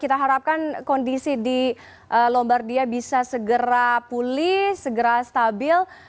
kita harapkan kondisi di lombardia bisa segera pulih segera stabil